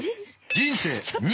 人生２。